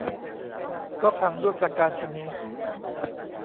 ก็พังด้วยประการฉะนี้